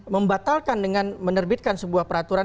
membatalkan dengan menerbitkan sebuah peraturan